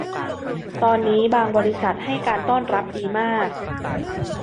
ตอนนี้บางบริษัทให้การต้อนรับดีมาก